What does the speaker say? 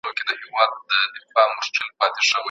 هغه څوک چي اوري، پوهه کېږي.